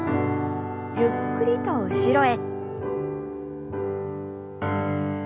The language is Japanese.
ゆっくりと後ろへ。